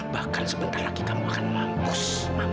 bahkan sebentar lagi kamu akan mangkus